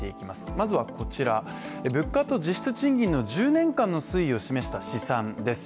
まずはこちら、物価と実質賃金の１０年間の推移を示した試算です。